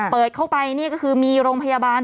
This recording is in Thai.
เปิดเข้าไปนี่ก็คือมีโรงพยาบาล